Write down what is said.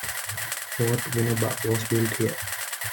Fort Winneba was built here.